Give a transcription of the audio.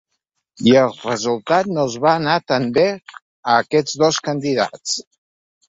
I el resultat no els va anar tan bé a aquests dos candidats.